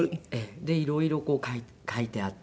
で色々書いてあって。